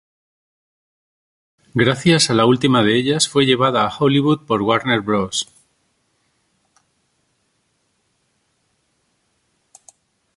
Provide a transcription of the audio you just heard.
Gracias a la última de ellas fue llevada a Hollywood por Warner Bros.